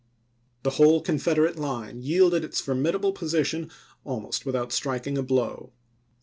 The whole Confederate line yielded its formidable position almost without striking a blow.